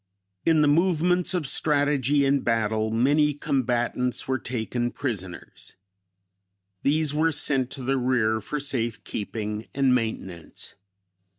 In the movements of strategy and battle, many combatants were taken prisoners; these were sent to the rear for safe keeping and maintenance.